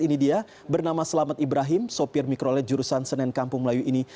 ini dia bernama selamat ibrahim sopir mikrolet jurusan senen kampung melayu ini